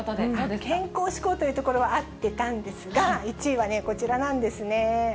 健康志向というところは合ってたんですが、１位はこちらなんですね。